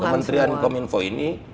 kementerian kominfo ini